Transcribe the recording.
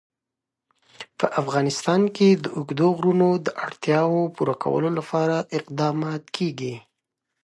په افغانستان کې د اوږده غرونه د اړتیاوو پوره کولو لپاره اقدامات کېږي.